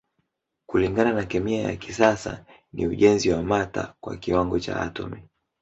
Kulingana na kemia ya kisasa ni ujenzi wa mata kwa kiwango cha atomi.